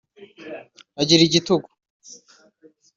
Agira igitugu